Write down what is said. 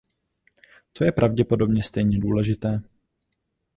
To je pravděpodobně stejně důležité.